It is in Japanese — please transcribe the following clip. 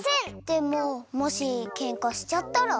でももしケンカしちゃったら？